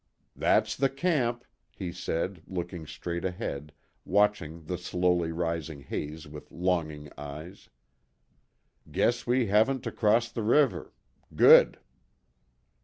"That's the camp," he said, looking straight ahead, watching the slowly rising haze with longing eyes. "Guess we haven't to cross the river. Good."